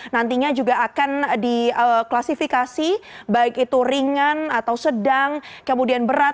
nantinya juga akan diklasifikasi baik itu ringan atau sedang kemudian berat